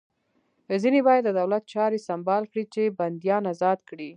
ځینې باید د دولت چارې سمبال کړي چې بندیان ازاد کړي